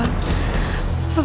apa kamu benar